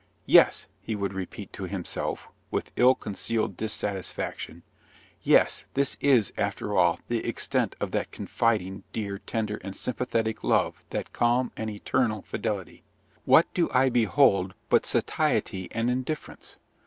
"Yes," he would repeat to himself, with ill concealed dissatisfaction, "yes, this is, after all, the extent of that confiding, dear, tender, and sympathetic love, that calm and eternal fidelity! What do I behold but satiety and indifference?